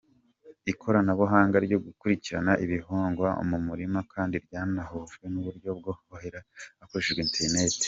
Ikoranabuhanga ryo gukurikirana ibihingwa mu murima kandi ryanahujwe n’uburyo bwo kuhira hakoreshejwe Internet.